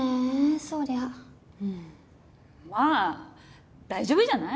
そりゃまあ大丈夫じゃない？